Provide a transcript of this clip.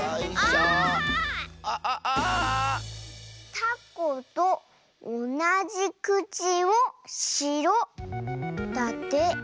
「たことおなじくちをしろ」だって。